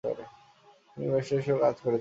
তিনি ব্যারিস্টার হিসেবে কাজ করেছেন।